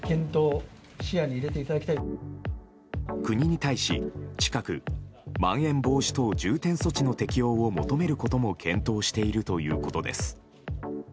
国に対し、近くまん延防止等重点措置の適用を求めることも検討しているということです。